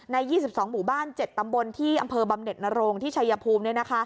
ใน๒๒หมู่บ้าน๗ตำบลที่อำเภอบำเน็ตนโรงที่ชายภูมิ